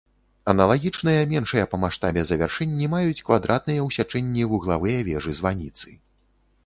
Аналагічныя меншыя па маштабе завяршэнні маюць квадратныя ў сячэнні вуглавыя вежы-званіцы.